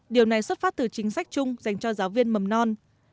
điều này xuất phát từ chính sách chung dành cho giáo viên mầm non